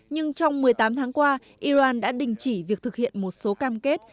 nhưng trong một mươi tám tháng qua iran đã đình chỉ việc thực hiện một số cam kết